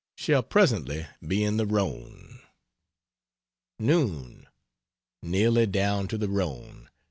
Shall presently be in the Rhone. Noon. Nearly down to the Rhone.